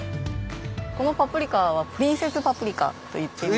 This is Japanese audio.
このパプリカはプリンセスパプリカ！